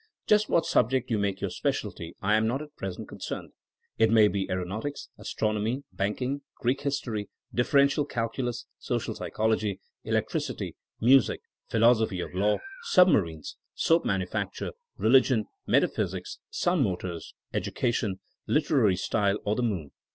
Jnst what subject yon make your specialty I am not at present concerned. It may be aeronautics, astronomy, banking, Greek history, differential calculus, social psychology, electric ity, music, philosophy of law, submarines, soap manufacture, religion, metaphysics, sun motors, education, literary style or the moon.